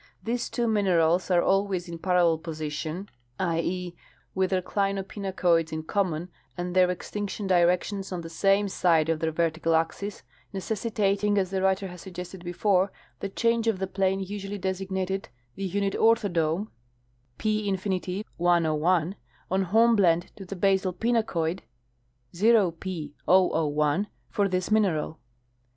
These two minerals are always in parallel position — i. e.,with their clinopinacoids in common and their extinction directions on the same side of their vertical axes, necessitating, as the writer has suggested before, the change of the plane usually designated the unit orthodome, P^ (101), on hornblende to the basal pinacoid, OP (001), for this mineral.